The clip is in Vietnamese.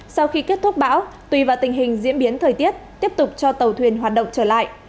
sau khi kết thúc bão tùy vào tình hình diễn biến thời tiết tiếp tục cho tàu thuyền hoạt động trở lại